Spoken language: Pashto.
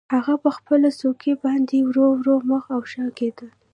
هغه په خپله څوکۍ باندې ورو ورو مخ او شا کیده